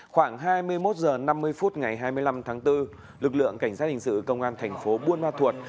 khoảng hai mươi một h năm mươi phút ngày hai mươi năm tháng bốn lực lượng cảnh sát hình sự công an thành phố buôn ma thuột